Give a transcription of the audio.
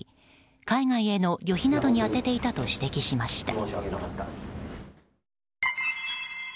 海外への旅費などに充てていたと指摘しました。